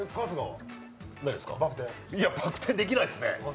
バク転、できないっすね。